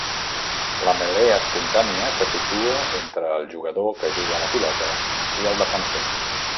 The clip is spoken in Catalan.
La melé espontània se situa entre el jugador que juga la pilota i el defensor.